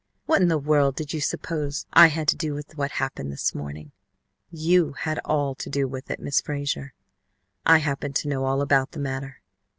What in the world did you suppose I had to do with what happened this morning?" "You had all to do with it. Miss Frazer, I happen to know all about the matter."